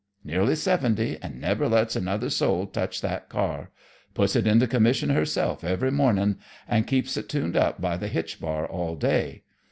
Nearly seventy, and never lets another soul touch that car. Puts it into commission herself every morning, and keeps it tuned up by the hitch bar all day.